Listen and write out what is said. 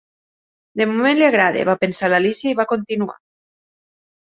"De moment li agrada", va pensar l'Alícia; i va continuar.